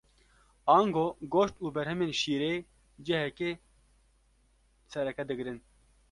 Ango goşt û berhemên şîrê cihekê sereke digirin.